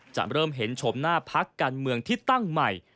จะเริ่มเห็นชมหน้าพักการเมืองที่ตั้งใหม่